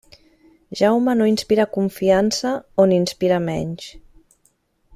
Jaume no inspira confiança o n'inspira menys.